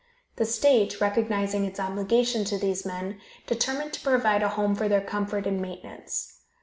The state, recognizing its obligation to these men, determined to provide a home for their comfort and maintenance.